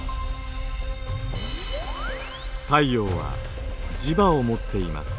太陽は磁場を持っています。